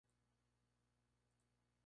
El diseño fue liderado por Tom Gale.